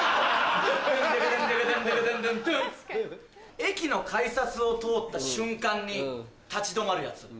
駅の改札を通った瞬間に立ち止まるヤツ。